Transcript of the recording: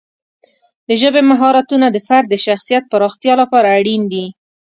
د ژبې مهارتونه د فرد د شخصیت پراختیا لپاره اړین دي.